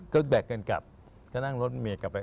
ก็แบกกันกลับก็นั่งรถเมียกลับไป